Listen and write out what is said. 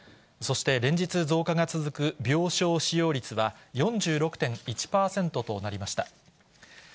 そして、連日、増加が続く病床使用率は４６．１％となりました。